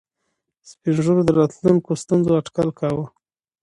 سپین ږیرو د راتلونکو ستونزو اټکل کاوه.